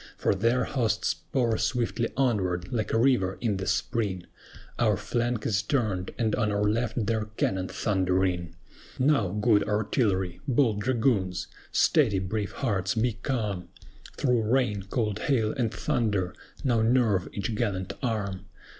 For their hosts pour swiftly onward, like a river in the spring, Our flank is turned, and on our left their cannon thundering. Now, good Artillery! bold Dragoons! Steady, brave hearts, be calm! Through rain, cold hail, and thunder, now nerve each gallant arm!